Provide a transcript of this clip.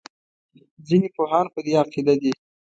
ځینې پوهان په دې عقیده دي.